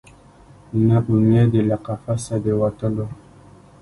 نه امید یې له قفسه د وتلو